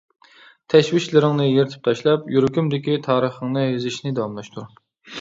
تەشۋىشلىرىڭنى يىرتىپ تاشلاپ، يۈرىكىمدىكى تارىخىڭنى يېزىشنى داۋاملاشتۇر!